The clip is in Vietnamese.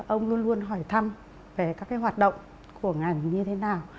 ông luôn luôn hỏi thăm về các cái hoạt động của ngành như thế nào